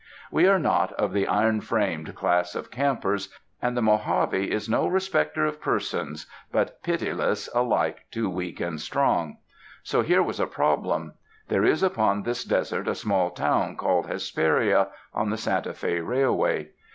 We are not of the iron framed class of campers, and the Mojave is no respecter of persons, but piti less alike to weak and strong. So hero was a prob lem. There is upon this desert a small town called Hesperia, on the Santa Fc Railway.